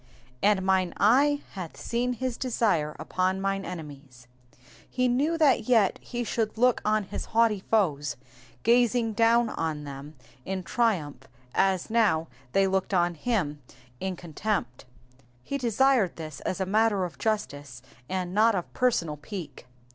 ^''And mine eytt hath seen his desire upon mine enemies.'*'' He knew that yet he should look on his haughty foes, gazing down on them in triumph as now they looked on him in contempt. He desired this as a matter of justice, and not of personal pique.